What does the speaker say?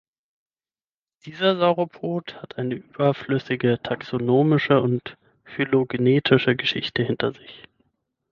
Dieser Sauropod hat eine überflüssige taxonomische und phylogenetische Geschichte hinter sich.